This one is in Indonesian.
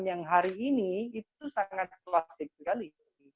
yang hari ini itu sangat klasik sekali